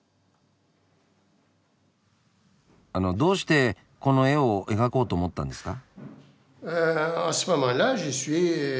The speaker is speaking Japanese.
あのどうしてこの絵を描こうと思ったんですか？